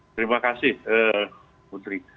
terima kasih putri